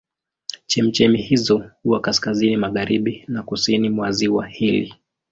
Chemchemi hizo huwa kaskazini magharibi na kusini mwa ziwa hili.